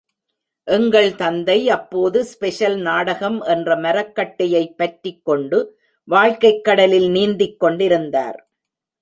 எங்கள் தந்தை அப்போது ஸ்பெஷல் நாடகம் என்ற மரக் கட்டையைப் பற்றிக் கொண்டு வாழ்க்கைக் கடலில் நீந்திக் கொண்டிருந்தார்.